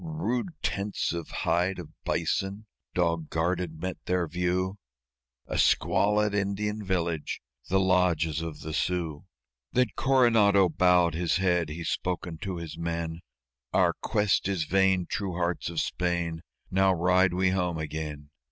Rude tents of hide of bison, dog guarded, met their view A squalid Indian village; the lodges of the Sioux! Then Coronado bowed his head. He spake unto his men: "Our quest is vain, true hearts of Spain! Now ride we home again.